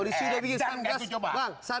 dan gak dicoba